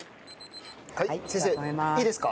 先生いいですか？